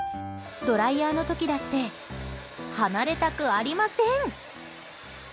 ドライヤーの時だって離れたくありません。